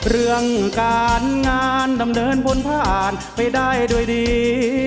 เรื่องการงานดำเนินพ้นผ่านไปได้ด้วยดี